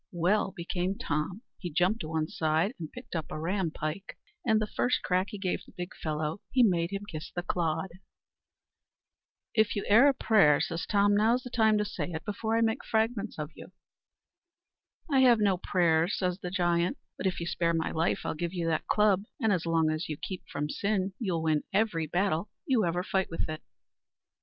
Well become Tom, he jumped a one side, and picked up a ram pike; and the first crack he gave the big fellow, he made him kiss the clod. "If you have e'er a prayer," says Tom, "now's the time to say it, before I make fragments of you." "I have no prayers," says the giant; "but if you spare my life I'll give you that club; and as long as you keep from sin, you'll win every battle you ever fight with it."